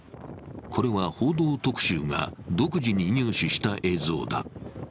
これは「報道特集」が独自に入手した映像だ。